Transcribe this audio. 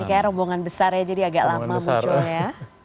ini kayak rombongan besar ya jadi agak lama munculnya